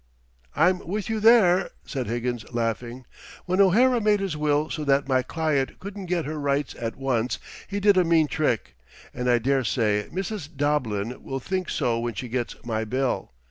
"I'm with you there!" said Higgins, laughing. "When O'Hara made his will so that my client couldn't get her rights at once he did a mean trick, and I dare say Mrs. Doblin will think so when she gets my bill.